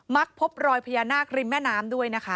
ักพบรอยพญานาคริมแม่น้ำด้วยนะคะ